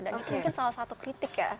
dan itu mungkin salah satu kritik ya